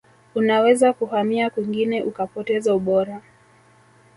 unaweza kuhamia kwingine ukapoteza ubora